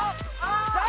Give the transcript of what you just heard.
さあ。